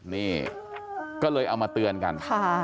นี่ก็เลยเอามาเตือนกัน